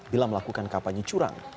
bila melakukan kampanye curang